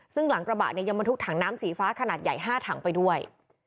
ซึ่งหลังกระบะเนี่ยยังบรรทุกถังน้ำสีฟ้าขนาดใหญ่๕ถังไปด้วย